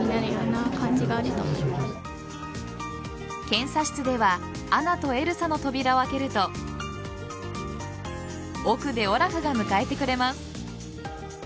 検査室ではアナとエルサの扉を開けると奥でオラフが迎えてくれます。